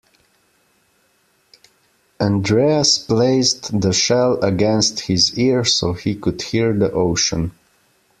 Andreas placed the shell against his ear so he could hear the ocean.